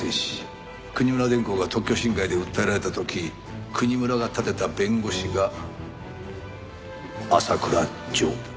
国村電工が特許侵害で訴えられた時国村が立てた弁護士が浅倉譲だ。